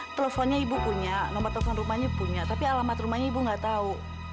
teleponnya ibu punya nomor telepon rumahnya punya tapi alamat rumahnya ibu nggak tahu